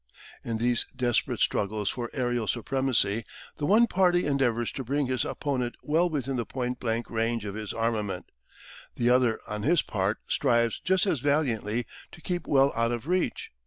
In these desperate struggles for aerial supremacy the one party endeavours to bring his opponent well within the point blank range of his armament: the other on his part strives just as valiantly to keep well out of reach.